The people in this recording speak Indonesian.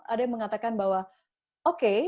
ada yang mengatakan bahwa oke